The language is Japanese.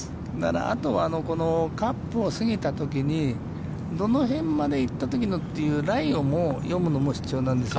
あとは、カップを過ぎたときに、どの辺まで行ったときのというラインを読むのも必要なんですよ。